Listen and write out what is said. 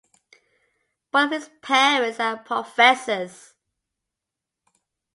Both of his parents were professors.